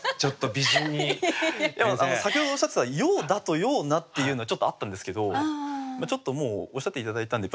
先ほどおっしゃってた「ようだ」と「ような」っていうのはちょっとあったんですけどもうおっしゃって頂いたんで